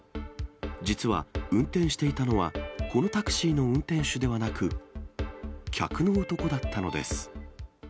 実は運転していたのは、このタクシーの運転手ではなく、客の男だったのです。